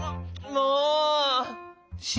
もう。